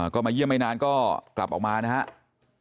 ก็มาเยี่ยมไม่นานก็กลับออกมานะครับ